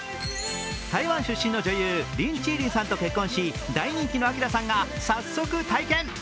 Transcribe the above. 台湾出身の女優、リン・チーリンさんと結婚し、大人気のＡＫＩＲＡさんが早速体験。